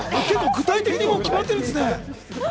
具体的にもう決まっているんですね。